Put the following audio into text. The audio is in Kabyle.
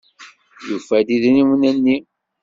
Yufa-d idrimen-nni.